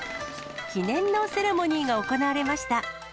記念のセレモニーが行われました。